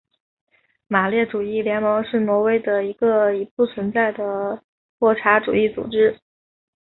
马列主义联盟是挪威的一个已不存在的霍查主义组织。